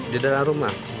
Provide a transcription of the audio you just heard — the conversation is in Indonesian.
di dalam rumah